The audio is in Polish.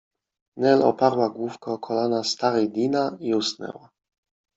Nel oparła główkę o kolana starej Dinah i usnęła.